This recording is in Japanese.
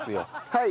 はい。